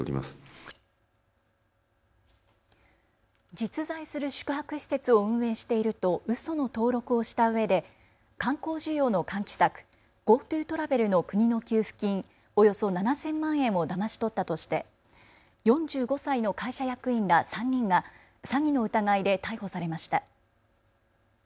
実在する宿泊施設を運営しているとうその登録をしたうえで観光需要の喚起策、ＧｏＴｏトラベルの国の給付金およそ７０００万円をだまし取ったとして４５歳の会社役員ら３人が詐欺の疑いで逮捕されました。